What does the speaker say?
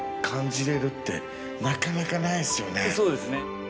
そうですね。